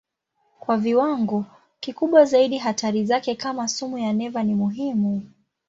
Kwa viwango kikubwa zaidi hatari zake kama sumu ya neva ni muhimu.